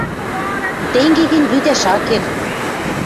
Тенге гӹнь, лӱдӓш ак кел...